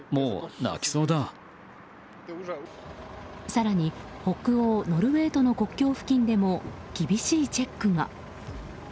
更に北欧ノルウェーとの国境付近でも厳しいチェックが。